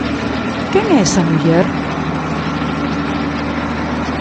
Quen é esa muller?